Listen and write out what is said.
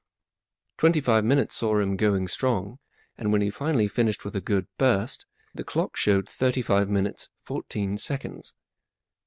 Twenty five minutes saw him going strong. And when he finally finished with a good burst, the clock showed thirty five minutes fourteen seconds.